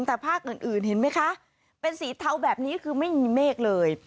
แต่ภาคอื่นเห็นไหมคะเป็นสีเทาแบบนี้คือไม่มีเมฆเลย